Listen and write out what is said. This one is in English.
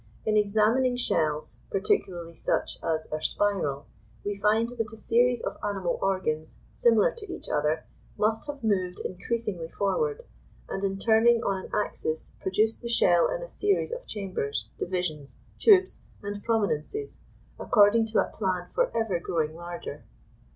In examining shells, particularly such as are spiral, we find that a series of animal organs, similar to each other, must have moved increasingly forward, and in turning on an axis produced the shell in a series of chambers, divisions, tubes, and prominences, according to a plan for ever growing larger.